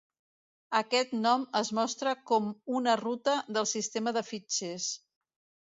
Aquest nom es mostra com una ruta del sistema de fitxers.